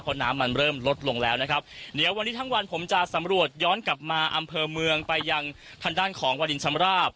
เพราะน้ำมันเริ่มลดลงแล้วนะครับเดี๋ยววันนี้ทั้งวันผมจะสำรวจย้อนกลับมาอำเภอเมืองไปยังทางด้านของวาดินชำราบ